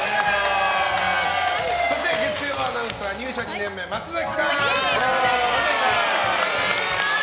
そして月曜アナウンサー入社２年目、松崎さん。